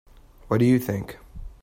What did you think?